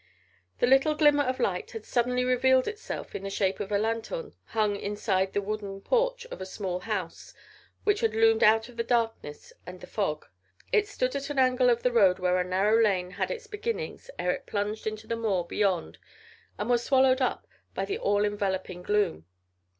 The little glimmer of light had suddenly revealed itself in the shape of a lanthorn hung inside the wooden porch of a small house which had loomed out of the darkness and the fog. It stood at an angle of the road where a narrow lane had its beginnings ere it plunged into the moor beyond and was swallowed up by the all enveloping gloom.